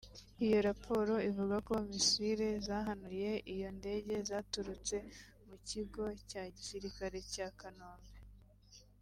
Iyo raporo ivuga ko misile zahanuye iyo ndege zaturutse mu Kigo cya Gisirikare cya Kanombe